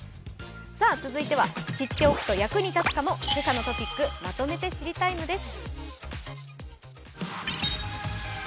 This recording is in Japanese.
続いては知っておくと役に立つかも「けさのトピックまとめて知りＴＩＭＥ，」です。